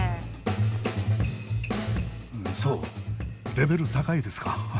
レベル高いですか？